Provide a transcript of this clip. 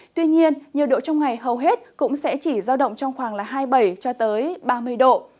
tuy nhiên nhiệt độ trong ngày hầu hết cũng sẽ chỉ giao động trong khoảng hai mươi bảy cho tới ba mươi độ